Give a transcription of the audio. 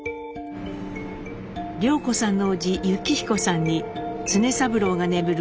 涼子さんの伯父幸彦さんに常三郎が眠る